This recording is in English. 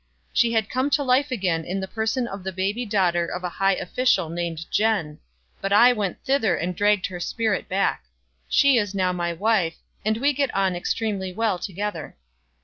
She had come to life again in the person of the baby daughter of a high official named Jen ; but I went thither and dragged her spirit back. She is now my wife, and we get on extremely well together."